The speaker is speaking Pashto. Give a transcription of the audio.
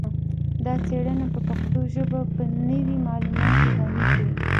دا څیړنه به پښتو ژبه په نوي معلوماتو غني کړي